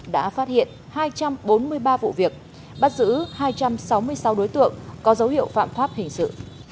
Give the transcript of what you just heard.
đã phát hiện hai trăm bốn mươi ba vụ việc bắt giữ hai trăm sáu mươi sáu đối tượng có dấu hiệu phạm pháp hình sự